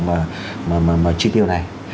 mà chi tiêu này